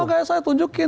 sama kayak saya tunjukin